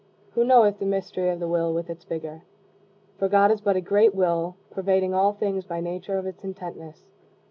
Who knoweth the mystery of the will, with its vigor? For God is but a great will pervading all things by nature of its intentness.